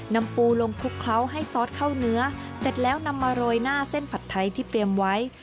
นำปูลงคลุกเคล้าให้ซอสเข้าเนื้อเสร็จแล้วนำมาโรยหน้าเส้นผัดไทยที่เตรียมไว้